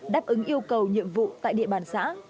đáp ứng yêu cầu nhiệm vụ tại địa bàn xã